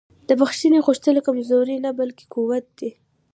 د بښنې غوښتل کمزوري نه بلکې قوت دی.